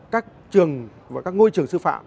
các trường và các ngôi trường sư phạm